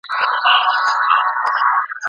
څنګه د خپلو تېروتنو منل ذهن اراموي؟